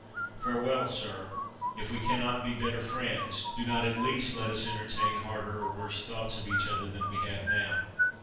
—Farewell, sir; if we cannot be better friends, do not at least let us entertain harder or worse thoughts of each other than we have now."